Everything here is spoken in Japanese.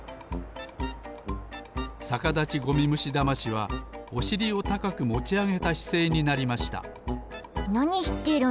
サカダチゴミムシダマシはおしりをたかくもちあげたしせいになりましたなにしてるんだろ？